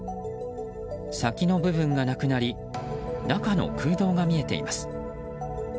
先の部分がなくなり中の空洞が見えています。